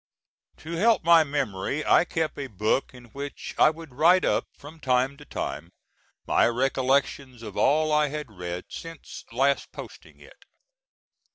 To help my memory I kept a book in which I would write up, from time to time, my recollections of all I had read since last posting it.